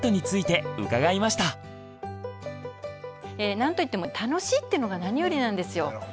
なんといっても楽しいっていうのが何よりなんですよ。